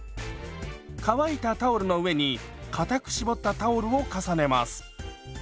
乾いたタオルの上にかたく絞ったタオルを重ねます。